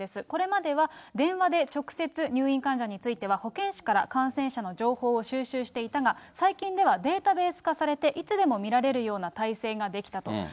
これまでは電話で直接、入院患者については保健師から感染者の情報を収集していたが、最近ではデータベース化されて、いつでも見られるような体制ができたと。